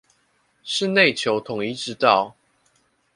是內求統一之道